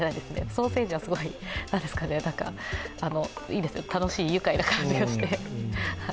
ソーセージはすごいいいですね、楽しい愉快な感じがして。